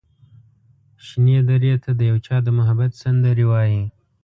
شنې درې ته د یو چا د محبت سندرې وايي